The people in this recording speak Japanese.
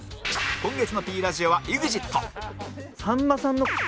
今月の Ｐ ラジオは ＥＸＩＴ